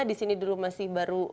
di sini dulu masih baru